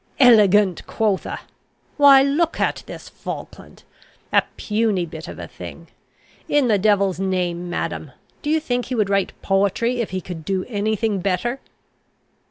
"Elegant, quotha! Why, look at this Falkland! A puny bit of a thing! In the devil's name, madam, do you think he would write poetry if he could do any thing better?"